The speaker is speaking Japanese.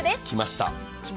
来ました。